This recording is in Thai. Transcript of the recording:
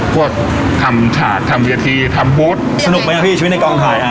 พวกทำฉาติทำเวียทีทำบูธสนุกปะยะพี่ชีวิตในกองถ่ายอ่ะ